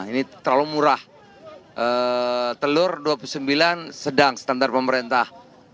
ini terlalu murah telur dua puluh sembilan sedang standar pemerintah